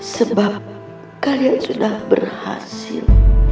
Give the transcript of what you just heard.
sebab kalian sudah berhasil